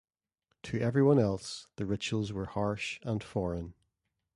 To everyone else, the rituals were harsh and foreign.